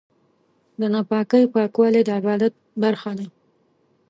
د ناپاکۍ پاکوالی د عبادت برخه ده.